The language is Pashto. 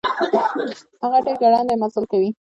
هغه ډير ګړندی مزل کوي.